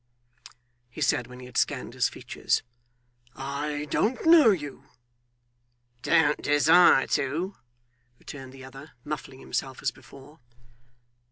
'Humph!' he said when he had scanned his features; 'I don't know you.' 'Don't desire to?' returned the other, muffling himself as before.